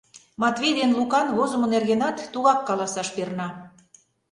Матвей ден Лукан возымо нергенат тугак каласаш перна.